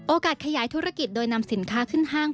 ขยายธุรกิจโดยนำสินค้าขึ้นห้าง